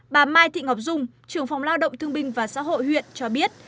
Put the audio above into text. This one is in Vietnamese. bà mai thị ngọc dung trưởng phòng lao động thương binh và xã hội huyện cho biết